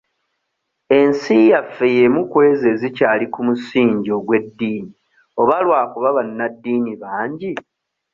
Ensi yaffe y'emu kw'ezo ezikyali ku musingi ogw'eddiini oba lwakuba bannaddiini bangi?